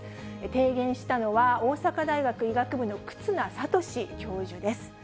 提言したのは、大阪大学医学部の忽那賢志教授です。